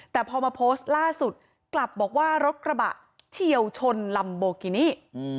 แต่พอมาโพสต์ล่าสุดกลับบอกว่ารถกระบะเฉียวชนลัมโบกินี่